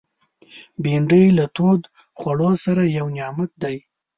بېنډۍ له تودو خوړو سره یو نعمت دی